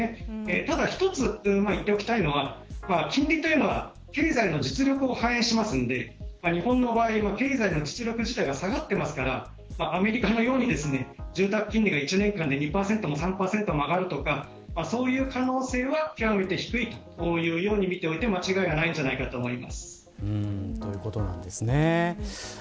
ただ、１つ言っておきたいのは金利というのは経済の実力を反映するので日本の場合は、経済の実力時代が下がっていますからアメリカのように住宅金利が１年間で２％も３％も上がるとかそういう可能性は極めて低いというふうに見ておいてということなんですね。